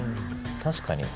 確かに。